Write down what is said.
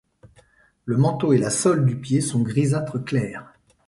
Le manteau et la sole du pied sont grisâtres clair.